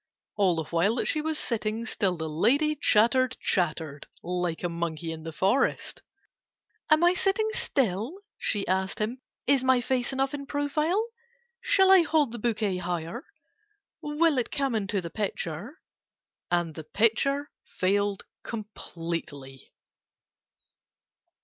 All the while that she was sitting, Still the lady chattered, chattered, Like a monkey in the forest. "Am I sitting still?" she asked him. "Is my face enough in profile? Shall I hold the bouquet higher? Will it came into the picture?" And the picture failed completely.